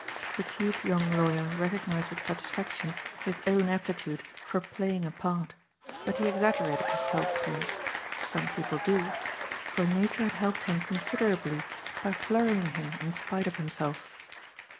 The cute young lawyer recognised with satisfaction his own aptitude for playing a part, but he exaggerated his self praise (some people do), for nature had helped him considerably by flurrying him in spite of himself.